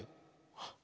あっ。